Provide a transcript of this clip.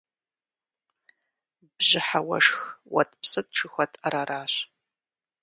Бжьыхьэ уэшх, уэтӀпсытӀ жыхуэтӀэр аращ.